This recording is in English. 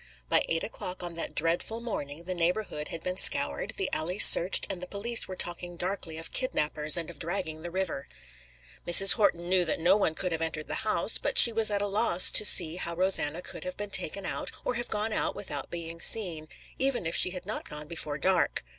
By eight o'clock on that dreadful morning the neighborhood had been scoured, the alleys searched and the police were talking darkly of kidnapers and of dragging the river. Mrs. Horton knew that no one could have entered the house, but she was at a loss to see how Rosanna could have been taken out or have gone out without being seen, even if she had not gone before dark.